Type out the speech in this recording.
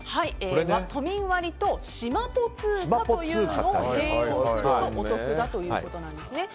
都民割としまぽ通貨というのを併用するとお得だということなんです。